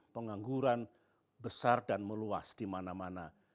pengangguran besar dan meluas di mana mana